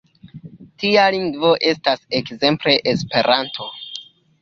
Tia lingvo estas ekzemple Esperanto.